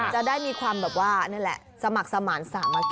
จะได้มีความสมัครสมาร์ทสามอาคี